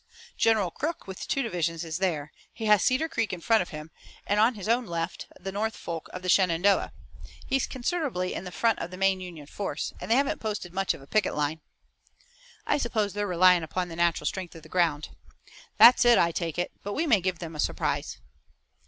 General Crook with two divisions is there. He has Cedar Creek in front of him, and on his own left the north fork of the Shenandoah. He's considerably in front of the main Union force, and they haven't posted much of a picket line." "I suppose they're relying upon the natural strength of the ground." "That's it, I take it, but we may give them a surprise."